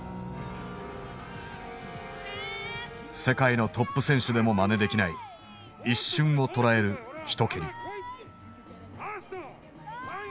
世界のトップ選手でもまねできない一瞬をとらえる一蹴り。